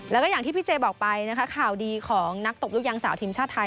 แล้วก็อย่างที่พี่เจบอกไปนะคะข่าวดีของนักตบลูกยางสาวทีมชาติไทย